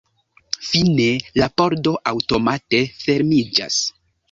Fine la pordo aŭtomate fermiĝas.